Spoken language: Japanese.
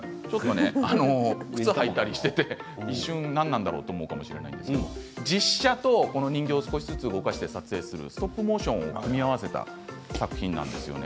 靴を履いたりして一瞬何なんだろうと思いますけれど実写と人形を少しずつ動かして撮影するストップモーションを組み合わせたものなんです。